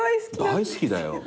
大好きだよ。